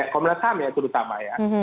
komnas ham ya terutama ya